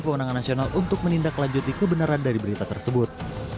ketua pemenang nasional untuk menindaklanjuti kebenaran dari berita tersebut